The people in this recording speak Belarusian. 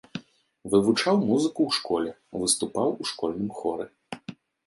Вывучаў музыку ў школе, выступаў у школьным хоры.